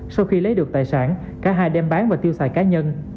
sau khi lấy được tài sản cả hai đem bán và tiêu xài cá nhân